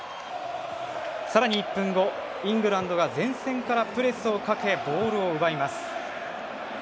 さらに１分後イングランドが前線からプレスをかけボールを奪います。